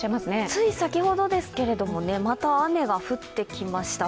つい先ほどですけれども、また雨が降ってきました。